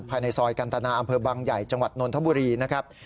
ภายในซอยกันตนาอำเภอบางใหญ่จังหวัดนนทบุรีนะครับ